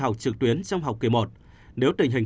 học trực tuyến trong học kỳ một nếu tình hình